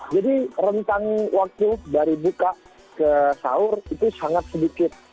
rentang waktu dari buka ke sahur itu sangat sedikit